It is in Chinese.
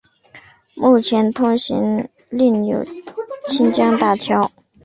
目前通行另有清江大桥。